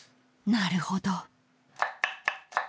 なるほど。